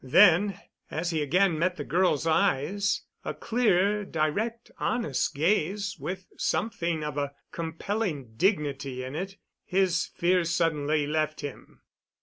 Then, as he again met the girl's eyes a clear, direct, honest gaze with something of a compelling dignity in it his fear suddenly left him.